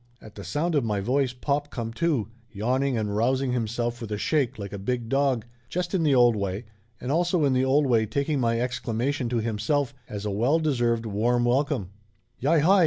At the sound of my voice pop come to, yawning and rousing himself with a shake like a big dog, just in the old way, and also in the old way taking my exclamation to himself as a well deserved warm welcome. "Yi hi